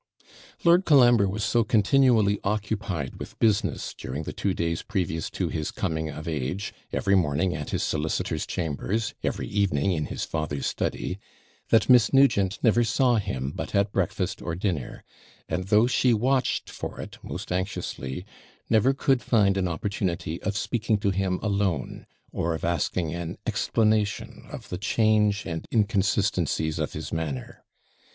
Lord Colambre was so continually occupied with business during the two days previous to his coming of age, every morning at his solicitor's chambers, every evening in his father's study, that Miss Nugent never saw him but at breakfast or dinner; and, though she watched for it most anxiously, never could find an opportunity of speaking to him alone, or of asking an explanation of the change and inconsistencies of his manner.